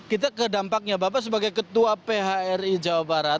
kita ke dampaknya bapak sebagai ketua phri jawa barat